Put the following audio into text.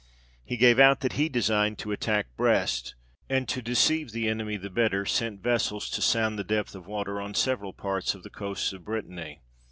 He gave out that he designed to attack Brest ; and to deceive the enemy the better, sent vessels to sound the depth of water on several parts of the coasts of Britany.